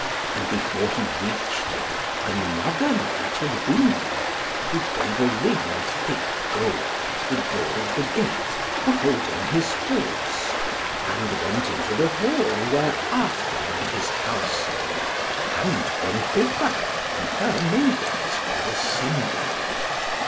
And before he reached it, another knight had been there, who gave a ring of thick gold at the door of the gate for holding his horse, and went into the Hall where Arthur and his household, and Gwenhwyvar and her maidens, were assembled.